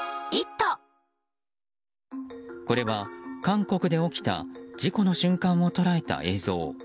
これは、韓国で起きた事故の瞬間を捉えた映像。